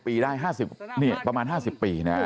๕๐ปีได้ประมาณ๕๐ปีนะครับ